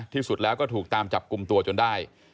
ที่สุดแล้วก็ถูกตามจับกลุ่มตัวจนได้